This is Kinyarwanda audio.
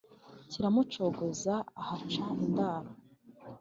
Kiramucogoza ahaca indaro.